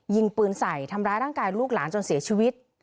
ยิงปืนใส่ทำร้ายร่างกายลูกหลานจนเสียชีวิต